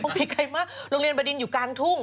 ปีไกลมากโรงเรียนบดินอยู่กลางทุ่ง